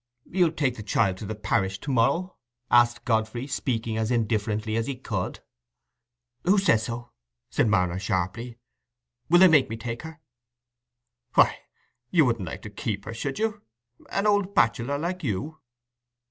"You'll take the child to the parish to morrow?" asked Godfrey, speaking as indifferently as he could. "Who says so?" said Marner, sharply. "Will they make me take her?" "Why, you wouldn't like to keep her, should you—an old bachelor like you?"